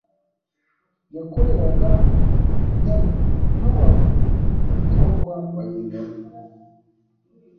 Yakoreraga mu ntubako yitwa Kwa Bayingana